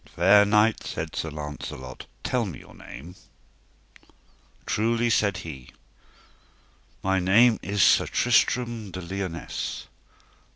Fair knight, said Sir Launcelot, tell me your name? Truly, said he, my name is Sir Tristram de Liones.